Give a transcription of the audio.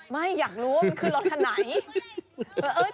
ไม่อยากรู้ว่ามันคือรถคันไหน